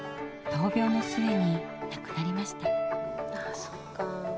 闘病の末になくなりました。